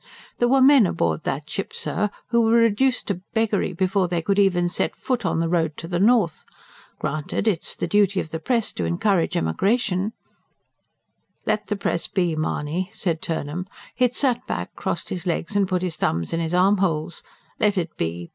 There were men aboard that ship, sir, who were reduced to beggary before they could even set foot on the road to the north. Granted it is the duty of the press to encourage emigration " "Let the press be, Mahony," said Turnham: he had sat back, crossed his legs, and put his thumbs in his armholes. "Let it be.